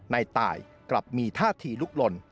ในตายกลับมีท่าทีลุกลน